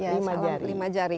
salam lima jari